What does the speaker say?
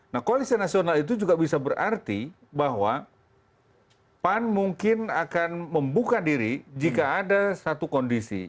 nah koalisi nasional itu juga bisa berarti bahwa pan mungkin akan membuka diri jika ada satu kondisi